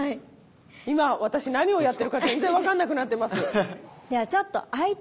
今私何をやってるか全然分かんなくなってます。